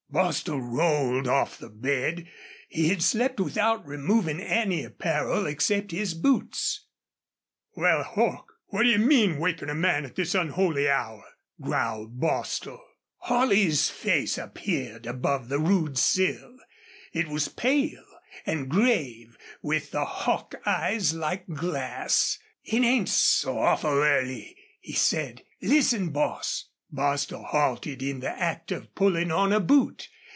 Bostil rolled off the bed. He had slept without removing any apparel except his boots. "Wal, Hawk, what d'ye mean wakin' a man at this unholy hour?" growled Bostil. Holley's face appeared above the rude sill. It was pale and grave, with the hawk eyes like glass. "It ain't so awful early," he said. "Listen, boss." Bostil halted in the act of pulling on a boot.